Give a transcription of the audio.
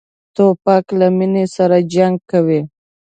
توپک له مینې سره جنګ کوي.